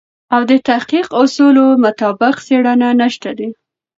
او د تحقیق اصولو مطابق څېړنه نشته دی.